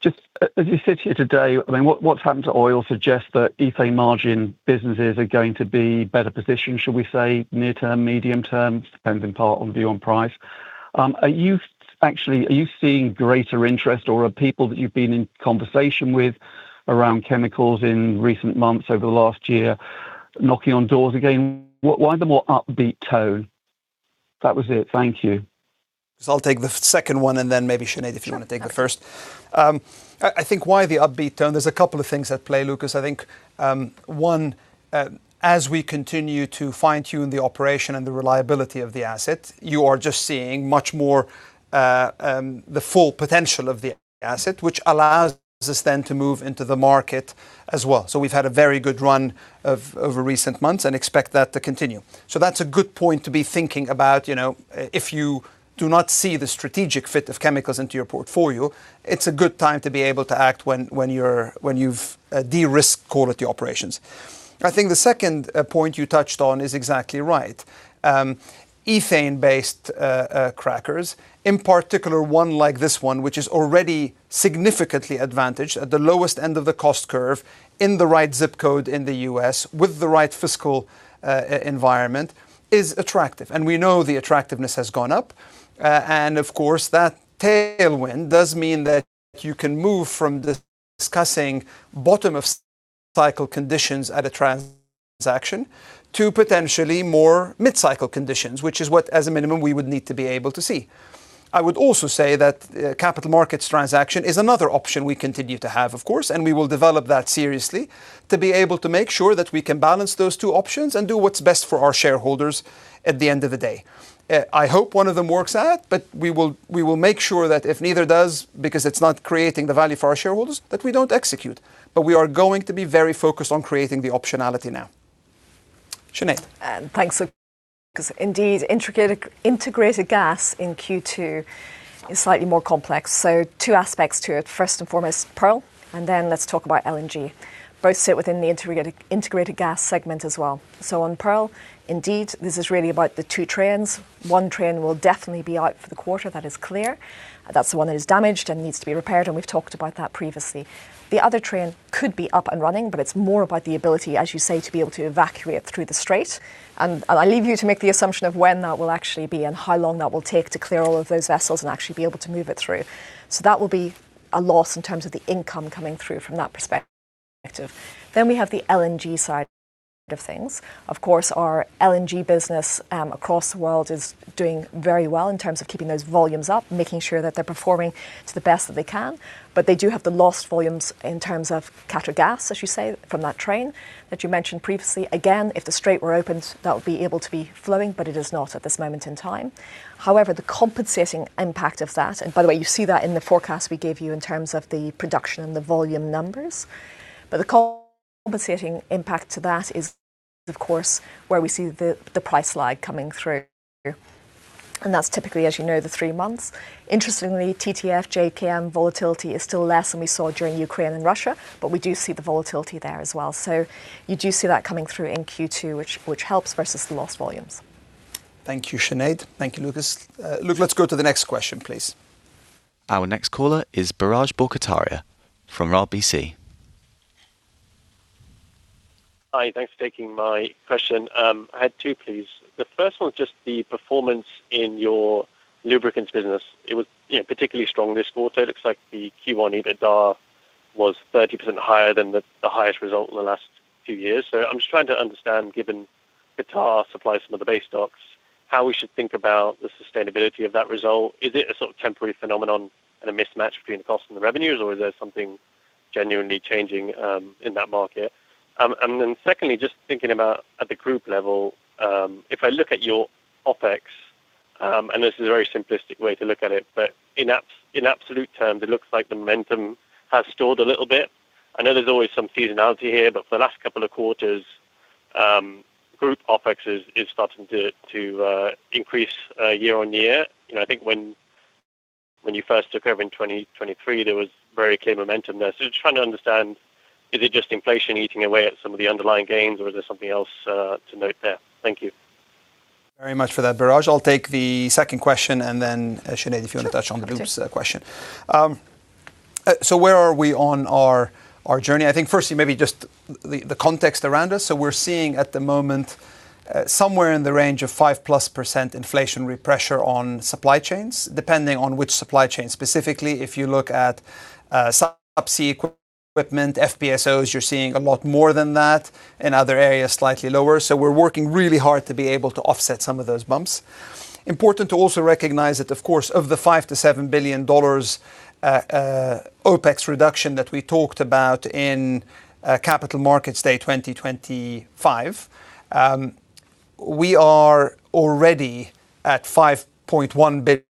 Just as you sit here today, I mean, what's happened to oil suggests that ethane margin businesses are going to be better positioned, shall we say, near term, medium term, depends in part on view on price. Are you actually seeing greater interest or are people that you've been in conversation with around chemicals in recent months over the last year knocking on doors again? Why the more upbeat tone? That was it. Thank you. I'll take the second one and then maybe Sinead, if you want to take the first. I think why the upbeat tone, there's a couple of things at play, Lucas. I think, one, as we continue to fine-tune the operation and the reliability of the asset, you are just seeing much more the full potential of the asset, which allows us then to move into the market as well. We've had a very good run of over recent months and expect that to continue. That's a good point to be thinking about. You know, if you do not see the strategic fit of chemicals into your portfolio, it's a good time to be able to act when you've de-risked quality operations. I think the second point you touched on is exactly right. Ethane-based crackers, in particular one like this one, which is already significantly advantaged at the lowest end of the cost curve in the right zip code in the U.S. with the right fiscal environment, is attractive. Of course, that tailwind does mean that you can move from discussing bottom of cycle conditions at a transaction to potentially more mid-cycle conditions, which is what, as a minimum, we would need to be able to see. I would also say that a capital markets transaction is another option we continue to have, of course, and we will develop that seriously to be able to make sure that we can balance those two options and do what's best for our shareholders at the end of the day. I hope one of them works out. We will make sure that if neither does, because it's not creating the value for our shareholders, that we don't execute. We are going to be very focused on creating the optionality now. Sinead. Thanks, Lucas. Indeed, Integrated Gas in Q2 is slightly more complex. Two aspects to it. First and foremost, Pearl, and then let's talk about LNG. Both sit within the Integrated Gas segment as well. On Pearl, indeed, this is really about the two trains. One train will definitely be out for the quarter. That is clear. That's the one that is damaged and needs to be repaired, and we've talked about that previously. The other train could be up and running, but it's more about the ability, as you say, to be able to evacuate through the Strait. I'll leave you to make the assumption of when that will actually be and how long that will take to clear all of those vessels and actually be able to move it through. That will be a loss in terms of the income coming through from that perspective. We have the LNG side of things. Of course, our LNG business across the world is doing very well in terms of keeping those volumes up, making sure that they're performing to the best that they can. They do have the lost volumes in terms of Qatargas, as you say, from that train that you mentioned previously. Again, if the Strait were opened, that would be able to be flowing, but it is not at this moment in time. However, the compensating impact of that, and by the way, you see that in the forecast we gave you in terms of the production and the volume numbers. The compensating impact to that is, of course, where we see the price lag coming through. That's typically, as you know, the three months. Interestingly, TTF, JKM volatility is still less than we saw during Ukraine and Russia. We do see the volatility there as well. You do see that coming through in Q2, which helps versus the lost volumes. Thank you, Sinead. Thank you, Lucas Herrmann. Luke, let's go to the next question, please. Our next caller is Biraj Borkhataria from RBC. Hi. Thanks for taking my question. I had two, please. The first one is just the performance in your lubricants business. It was, you know, particularly strong this quarter. It looks like the Q1 EBITDA was 30% higher than the highest result in the last two years. I'm just trying to understand, given Qatar supplies some of the base stocks, how we should think about the sustainability of that result. Is it a sort of temporary phenomenon and a mismatch between the cost and the revenues, or is there something genuinely changing in that market? Secondly, just thinking about at the group level, if I look at your OpEx, this is a very simplistic way to look at it, in absolute terms, it looks like the momentum has stalled a little bit. I know there's always some seasonality here, but for the last couple of quarters, group OpEx is starting to increase year-on-year. You know, I think when you first took over in 2023, there was very clear momentum there. Just trying to understand, is it just inflation eating away at some of the underlying gains, or is there something else to note there? Thank you. Very much for that, Biraj. I'll take the second question and then Sinead, if you want to touch on Luke's question. Where are we on our journey? I think firstly maybe just the context around us. We're seeing at the moment somewhere in the range of 5%+ inflationary pressure on supply chains, depending on which supply chain. Specifically, if you look at subsea equipment, FPSOs, you're seeing a lot more than that. In other areas, slightly lower. We're working really hard to be able to offset some of those bumps. Important to also recognize that, of course, of the $5 billion-$7 billion OpEx reduction that we talked about in Capital Markets Day 2025, we are already at $5.1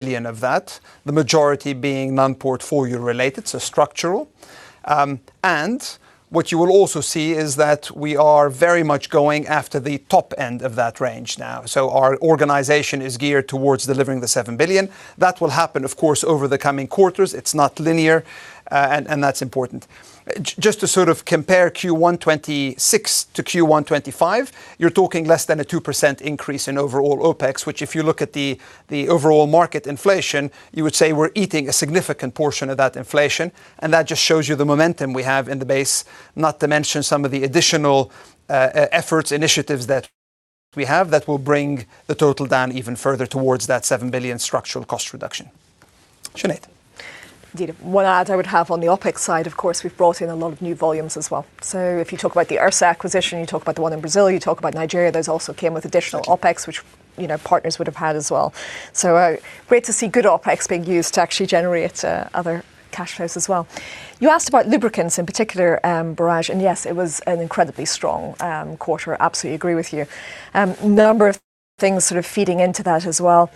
billion of that, the majority being non-portfolio related, so structural. What you will also see is that we are very much going after the top end of that range now. Our organization is geared towards delivering the $7 billion. That will happen, of course, over the coming quarters. It's not linear, and that's important. Just to compare Q1 2026-Q1 2025, you're talking less than a 2% increase in overall OpEx, which if you look at the overall market inflation, you would say we're eating a significant portion of that inflation, and that just shows you the momentum we have in the base, not to mention some of the additional efforts, initiatives that we have that will bring the total down even further towards that $7 billion structural cost reduction. Sinead. Indeed. One add I would have on the OpEx side, of course, we've brought in a lot of new volumes as well. If you talk about the Ursa acquisition, you talk about the one in Brazil, you talk about Nigeria, those also came with additional OpEx-which partners would have had as well. Great to see good OpEx being used to actually generate other cash flows as well. You asked about lubricants in particular, Biraj, yes, it was an incredibly strong quarter. Absolutely agree with you. Number of things sort of feeding into that as well.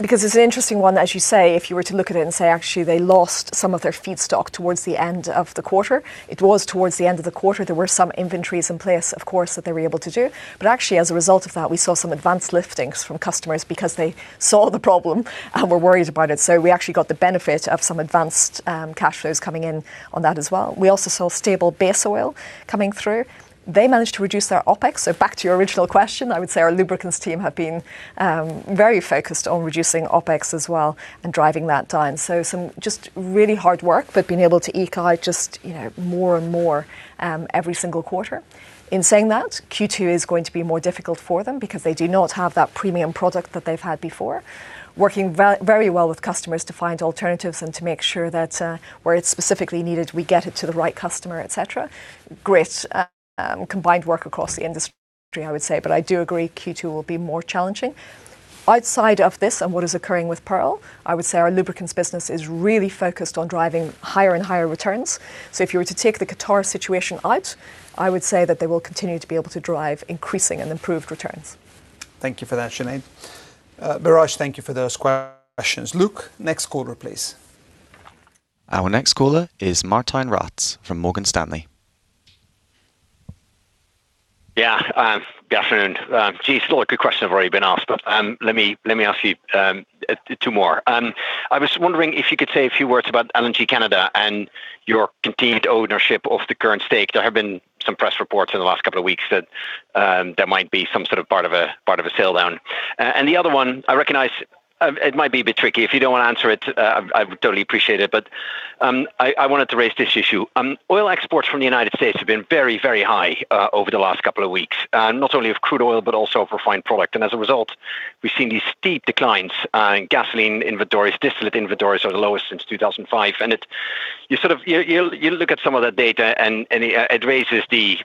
It's an interesting one, as you say. If you were to look at it and say actually they lost some of their feedstock towards the end of the quarter, it was towards the end of the quarter. There were some inventories in place, of course, that they were able to do. Actually, as a result of that, we saw some advance liftings from customers because they saw the problem and were worried about it. We actually got the benefit of some advanced cash flows coming in on that as well. We also saw stable base oil coming through. They managed to reduce their OpEx, so back to your original question, I would say our lubricants team have been very focused on reducing OpEx as well and driving that down. Some just really hard work. They've been able to eke out just, you know, more and more every single quarter. In saying that, Q2 is going to be more difficult for them because they do not have that premium product that they've had before. Working very well with customers to find alternatives and to make sure that where it's specifically needed, we get it to the right customer, et cetera. Great, combined work across the industry, I would say. I do agree Q2 will be more challenging. Outside of this and what is occurring with Pearl, I would say our lubricants business is really focused on driving higher and higher returns. If you were to take the Qatar situation out, I would say that they will continue to be able to drive increasing and improved returns. Thank you for that, Sinead. Biraj, thank you for those questions. Luke, next caller, please. Our next caller is Martijn Rats from Morgan Stanley. Yeah, good afternoon. Geez, a lot of good questions have already been asked. Let me ask you two more. I was wondering if you could say a few words about LNG Canada and your continued ownership of the current stake. There have been some press reports in the last couple of weeks that there might be some sort of part of a sale down. The other one, I recognize, it might be a bit tricky. If you don't wanna answer it, I would totally appreciate it. I wanted to raise this issue. Oil exports from the U.S. have been very, very high over the last couple of weeks, not only of crude oil, but also of refined product, and as a result, we've seen these steep declines in gasoline inventories. Distillate inventories are the lowest since 2005. You sort of, you look at some of the data and it raises the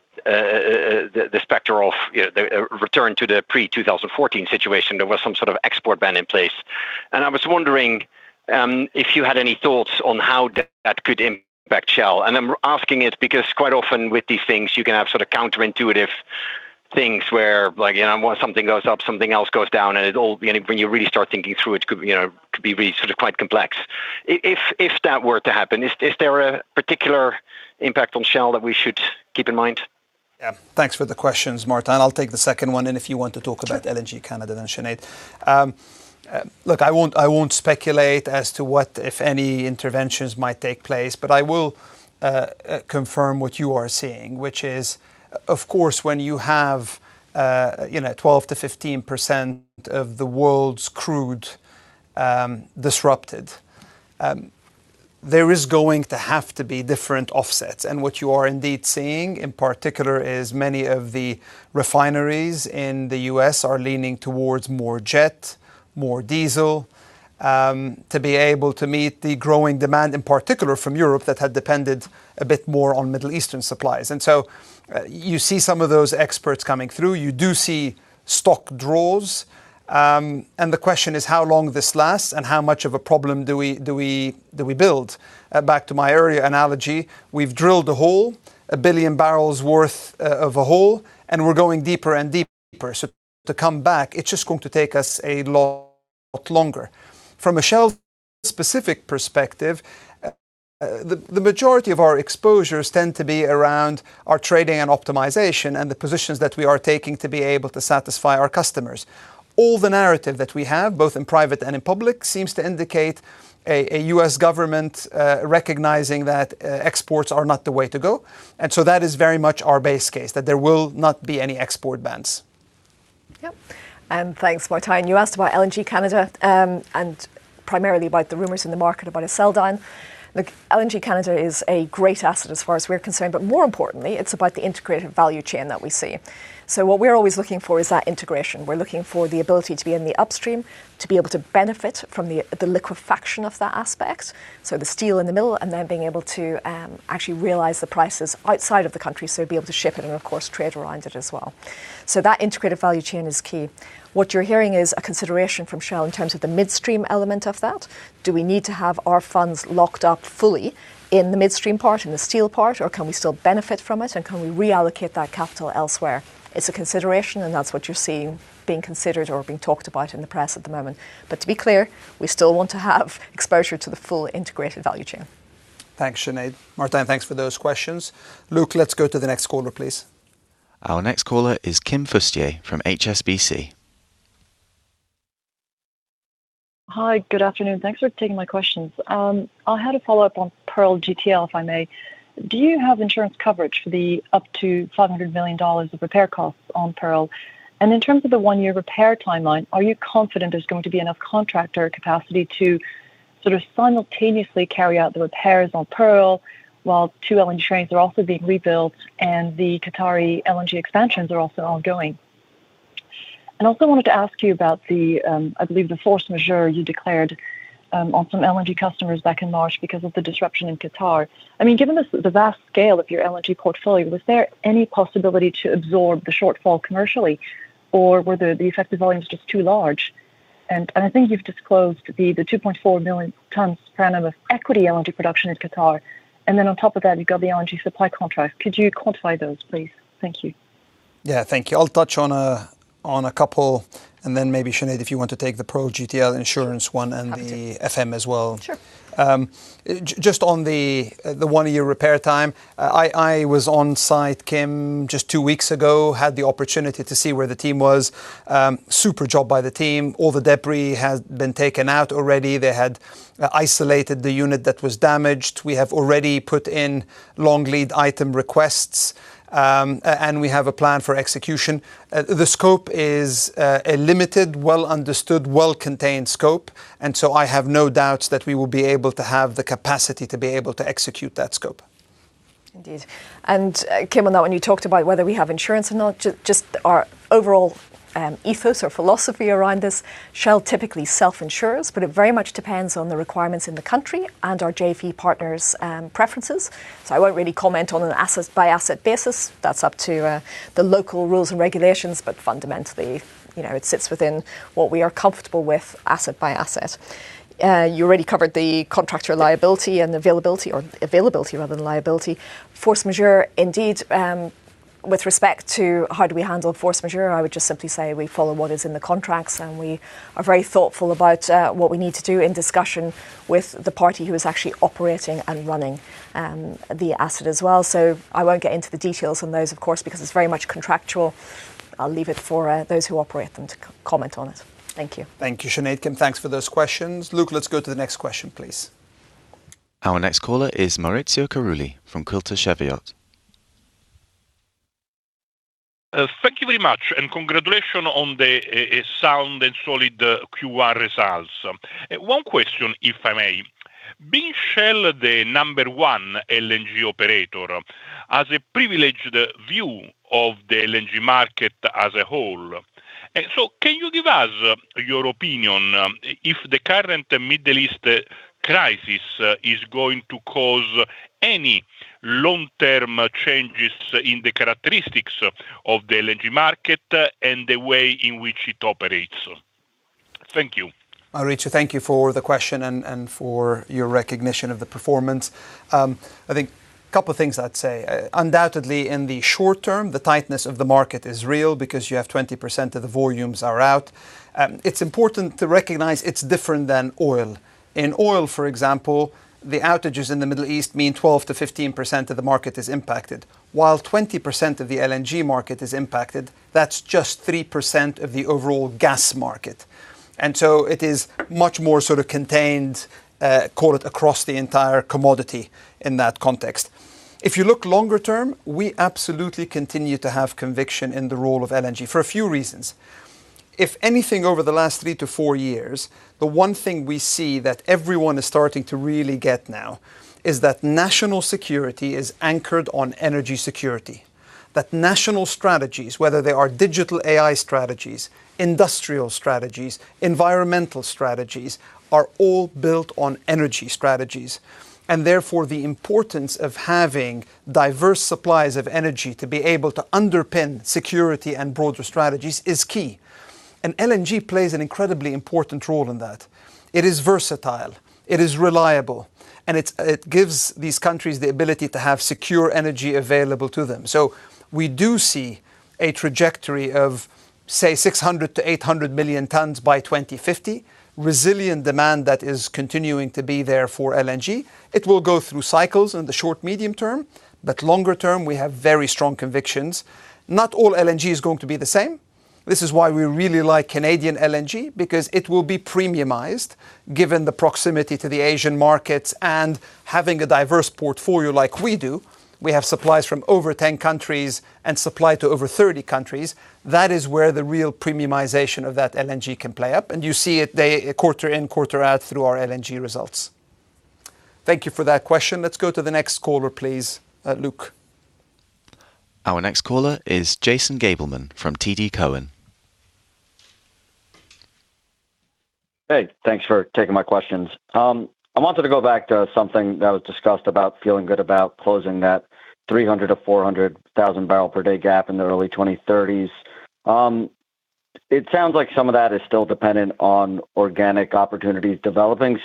specter of, you know, the return to the pre-2014 situation. There was some sort of export ban in place. I was wondering if you had any thoughts on how that could impact Shell. I'm asking it because quite often with these things you can have sort of counterintuitive things where, like, you know, something goes up, something else goes down, and it all, you know, when you really start thinking through it could, you know, could be really sort of quite complex. If that were to happen, is there a particular impact on Shell that we should keep in mind? Yeah. Thanks for the questions, Martijn. I'll take the second one. And if you wanna talk about LNG Canada, then Sinead. Look, I won't, I won't speculate as to what, if any, interventions might take place, but I will confirm what you are seeing, which is, of course, when you have, you know, 12%-15% of the world's crude disrupted, there is going to have to be different offsets. What you are indeed seeing, in particular, is many of the refineries in the U.S. are leaning towards more jet, more diesel, to be able to meet the growing demand, in particular from Europe, that had depended a bit more on Middle Eastern supplies. You see some of those exports coming through. You do see stock draws. The question is how long this lasts and how much of a problem do we build? Back to my earlier analogy, we've drilled a hole, 1 billion barrels' worth of a hole, and we're going deeper and deeper. To come back, it's just going to take us a lot longer. From a Shell-specific perspective, the majority of our exposures tend to be around our trading and optimization and the positions that we are taking to be able to satisfy our customers. All the narrative that we have, both in private and in public, seems to indicate a U.S. government recognizing that exports are not the way to go. That is very much our base case, that there will not be any export bans. Yep. Thanks, Martijn. You asked about LNG Canada and primarily about the rumors in the market about a sell down. Look, LNG Canada is a great asset as far as we're concerned. More importantly, it's about the integrated value chain that we see. What we're always looking for is that integration. We're looking for the ability to be in the upstream, to be able to benefit from the liquefaction of that aspect, so the steel in the middle, and then being able to actually realize the prices outside of the country, so be able to ship it and of course trade around it as well. That integrated value chain is key. What you're hearing is a consideration from Shell in terms of the midstream element of that. Do we need to have our funds locked up fully in the midstream part, in the steel part, or can we still benefit from it, and can we reallocate that capital elsewhere? It's a consideration, and that's what you're seeing being considered or being talked about in the press at the moment. To be clear, we still want to have exposure to the full integrated value chain. Thanks, Sinead. Martijn, thanks for those questions. Luke, let's go to the next caller, please. Our next caller is Kim Fustier from HSBC. Hi. Good afternoon. Thanks for taking my questions. I had a follow-up on Pearl GTL, if I may. Do you have insurance coverage for the up to $500 million of repair costs on Pearl? In terms of the one-year repair timeline, are you confident there's going to be enough contractor capacity to sort of simultaneously carry out the repairs on Pearl while two LNG trains are also being rebuilt and the Qatari LNG expansions are also ongoing? I also wanted to ask you about the, I believe the force majeure you declared on some LNG customers back in March because of the disruption in Qatar. I mean, given the vast scale of your LNG portfolio, was there any possibility to absorb the shortfall commercially, or were the effective volumes just too large? I think you've disclosed the 2.4 million tons per annum of equity LNG production in Qatar, and then on top of that you've got the LNG supply contract. Could you quantify those, please? Thank you. Yeah. Thank you. I'll touch on a couple, and then maybe Sinead, if you want to take the Pearl GTL insurance one. Happy to. The FM as well. Sure. Just on the one-year repair time, I was on site, Kim, just two weeks ago, had the opportunity to see where the team was. Super job by the team. All the debris has been taken out already. They had isolated the unit that was damaged. We have already put in long lead item requests, and we have a plan for execution. The scope is a limited, well-understood, well-contained scope, and so I have no doubts that we will be able to have the capacity to be able to execute that scope. Indeed. Kim, on that one, you talked about whether we have insurance or not. just our overall ethos or philosophy around this, Shell typically self-insures, but it very much depends on the requirements in the country and our JV partners' preferences. I won't really comment on an asset-by-asset basis. That's up to the local rules and regulations, but fundamentally, you know, it sits within what we are comfortable with asset by asset. You already covered the contractor liability and availability, or availability rather than liability. Force majeure, indeed, with respect to how do we handle force majeure, I would just simply say we follow what is in the contracts, and we are very thoughtful about what we need to do in discussion with the party who is actually operating and running the asset as well. I won't get into the details on those, of course, because it's very much contractual. I'll leave it for those who operate them to comment on it. Thank you. Thank you, Sinead. Kim, thanks for those questions. Luke, let's go to the next question, please. Our next caller is Maurizio Carulli from Quilter Cheviot. Thank you very much. Congratulations on the sound and solid Q1 results. One question, if I may. Being Shell the number one LNG operator has a privileged view of the LNG market as a whole. Can you give us your opinion if the current Middle East crisis is going to cause any long-term changes in the characteristics of the LNG market and the way in which it operates? Thank you. Maurizio, thank you for the question and for your recognition of the performance. I think couple things I'd say. Undoubtedly in the short term, the tightness of the market is real because you have 20% of the volumes are out. It's important to recognize it's different than oil. In oil, for example, the outages in the Middle East mean 12%-15% of the market is impacted. While 20% of the LNG market is impacted, that's just 3% of the overall gas market. It is much more sort of contained, call it across the entire commodity in that context. If you look longer term, we absolutely continue to have conviction in the role of LNG for a few reasons. If anything over the last 3-4 years, the one thing we see that everyone is starting to really get now is that national security is anchored on energy security, that national strategies, whether they are digital AI strategies, industrial strategies, environmental strategies, are all built on energy strategies. Therefore, the importance of having diverse supplies of energy to be able to underpin security and broader strategies is key, and LNG plays an incredibly important role in that. It is versatile. It is reliable. It gives these countries the ability to have secure energy available to them. We do see a trajectory of, say, 600 million-800 million tons by 2050, resilient demand that is continuing to be there for LNG. It will go through cycles in the short, medium term, longer term we have very strong convictions. Not all LNG is going to be the same. This is why we really like Canadian LNG, because it will be premiumized, given the proximity to the Asian markets and having a diverse portfolio like we do. We have supplies from over 10 countries and supply to over 30 countries. That is where the real premiumization of that LNG can play up, and you see it day, quarter in, quarter out through our LNG results. Thank you for that question. Let's go to the next caller, please, Luke. Our next caller is Jason Gabelman from TD Cowen. Hey, thanks for taking my questions. I wanted to go back to something that was discussed about feeling good about closing that 300,000-400,000 barrel per day gap in the early 2030s. It sounds like some of that is still dependent on organic opportunities developing.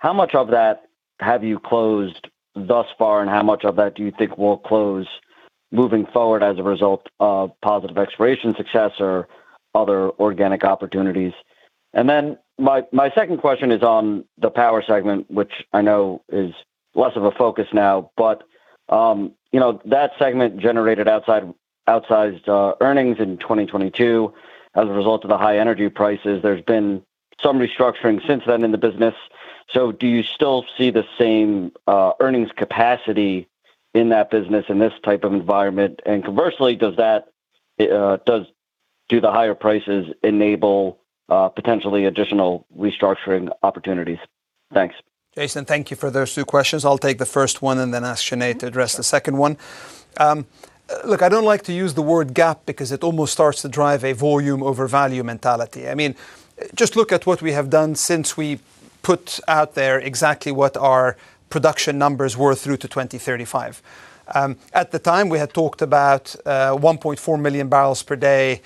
How much of that have you closed thus far, and how much of that do you think will close moving forward as a result of positive exploration success or other organic opportunities? My second question is on the power segment, which I know is less of a focus now. You know, that segment generated outsized earnings in 2022 as a result of the high energy prices. There's been some restructuring since then in the business. Do you still see the same earnings capacity in that business in this type of environment? Conversely, does that, do the higher prices enable potentially additional restructuring opportunities? Thanks. Jason, thank you for those two questions. I'll take the first one and then ask Sinead to address the second one. Look, I don't like to use the word gap because it almost starts to drive a volume over value mentality. I mean, just look at what we have done since we put out there exactly what our production numbers were through to 2035. At the time, we had talked about 1.4 million barrels per day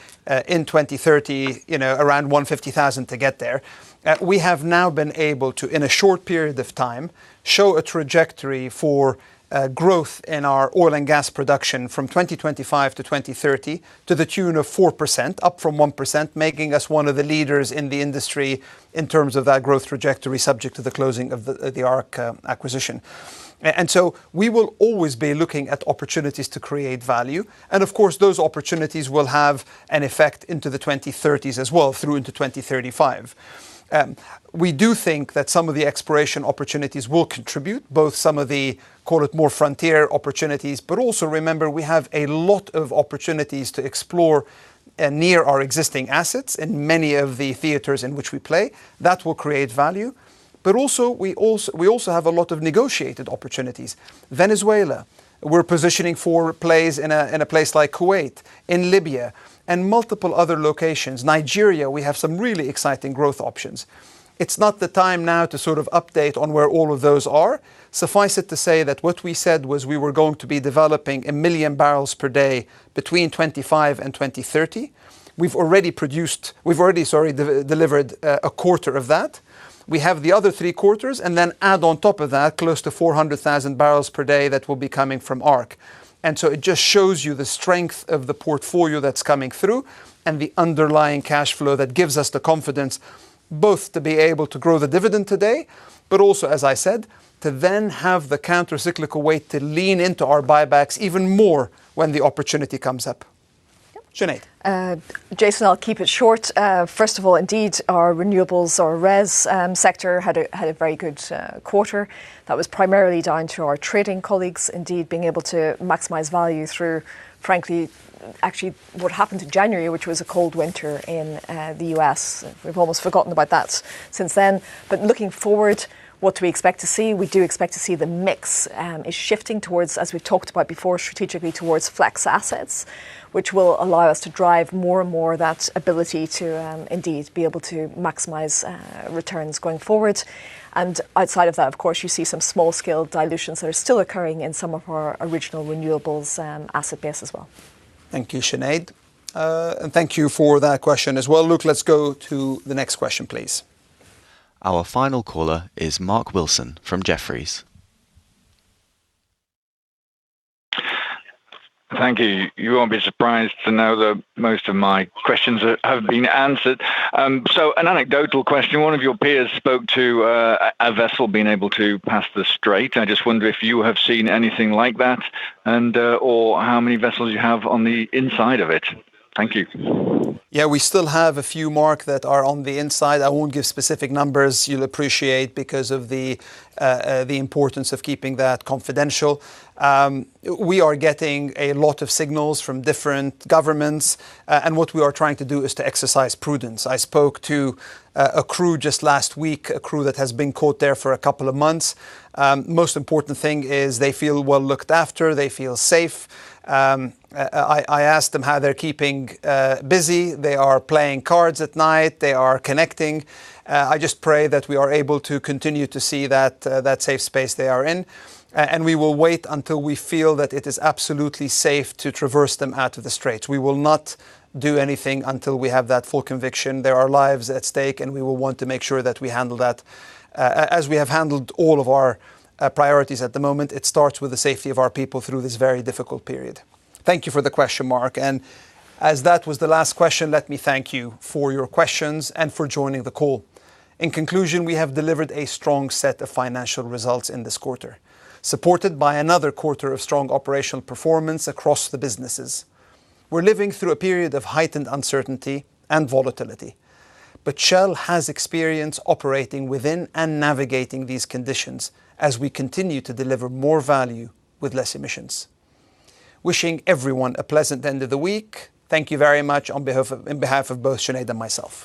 in 2030, you know, around 150,000 to get there. We have now been able to, in a short period of time, show a trajectory for growth in our oil and gas production from 2025-2030 to the tune of 4%, up from 1%, making us one of the leaders in the industry in terms of that growth trajectory subject to the closing of the ARC acquisition. We will always be looking at opportunities to create value, and of course, those opportunities will have an effect into the 2030s as well through into 2035. We do think that some of the exploration opportunities will contribute, both some of the, call it more frontier opportunities, but also remember, we have a lot of opportunities to explore near our existing assets in many of the theaters in which we play. That will create value. Also, we also have a lot of negotiated opportunities. Venezuela, we're positioning for plays in a, in a place like Kuwait, in Libya, and multiple other locations. Nigeria, we have some really exciting growth options. It's not the time now to sort of update on where all of those are. Suffice it to say that what we said was we were going to be developing 1 million barrels per day between 2025 and 2030. We've already, sorry, de-delivered a quarter of that. We have the other three quarters, add on top of that close to 400,000 barrels per day that will be coming from ARC. It just shows you the strength of the portfolio that's coming through and the underlying cash flow that gives us the confidence both to be able to grow the dividend today, but also, as I said, to then have the countercyclical weight to lean into our buybacks even more when the opportunity comes up. Sinead Gorman. Yeah. Jason, I'll keep it short. First of all, indeed, our renewables, our RES, sector had a very good quarter. That was primarily down to our trading colleagues indeed being able to maximize value through, frankly, actually what happened in January, which was a cold winter in the U.S. We've almost forgotten about that since then. Looking forward, what we expect to see, we do expect to see the mix is shifting towards, as we've talked about before, strategically towards flex assets, which will allow us to drive more and more that ability to indeed be able to maximize returns going forward. Outside of that, of course, you see some small scale dilutions that are still occurring in some of our original renewables, asset base as well. Thank you, Sinead. Thank you for that question as well. Luke, let's go to the next question, please. Our final caller is Mark Wilson from Jefferies. Thank you. You won't be surprised to know that most of my questions have been answered. An anecdotal question. One of your peers spoke to a vessel being able to pass the strait. I just wonder if you have seen anything like that and or how many vessels you have on the inside of it. Thank you. We still have a few, Mark, that are on the inside. I won't give specific numbers, you'll appreciate, because of the importance of keeping that confidential. We are getting a lot of signals from different governments, what we are trying to do is to exercise prudence. I spoke to a crew just last week, a crew that has been caught there for a couple of months. Most important thing is they feel well looked after. They feel safe. I asked them how they're keeping busy. They are playing cards at night. They are connecting. I just pray that we are able to continue to see that safe space they are in. We will wait until we feel that it is absolutely safe to traverse them out of the strait. We will not do anything until we have that full conviction. There are lives at stake, and we will want to make sure that we handle that as we have handled all of our priorities at the moment. It starts with the safety of our people through this very difficult period. Thank you for the question, Mark. As that was the last question, let me thank you for your questions and for joining the call. In conclusion, we have delivered a strong set of financial results in this quarter, supported by another quarter of strong operational performance across the businesses. We're living through a period of heightened uncertainty and volatility. Shell has experience operating within and navigating these conditions as we continue to deliver more value with less emissions. Wishing everyone a pleasant end of the week. Thank you very much in behalf of both Sinead and myself.